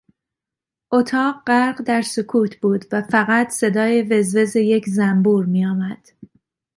اتاق غرق در سکوت بود و فقط صدای وز وز یک زنبور میآمد.